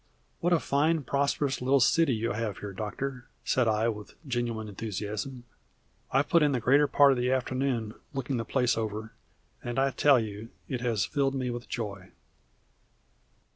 "What a fine, prosperous little city you have here, Doctor," said I with genuine enthusiasm. "I've put in the greater part of the afternoon looking the place over, and I tell you it has filled me with joy."